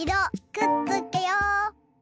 くっつけよう。